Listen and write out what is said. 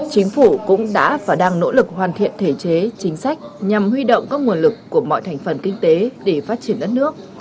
chính phủ cũng đã và đang nỗ lực hoàn thiện thể chế chính sách nhằm huy động các nguồn lực của mọi thành phần kinh tế để phát triển đất nước